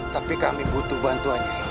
tapi kami butuh bantuan nyai